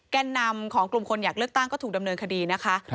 แก่นนำของกลุ่มคนอยากเลือกตั้งก็ถูกดำเนินคดีนะคะ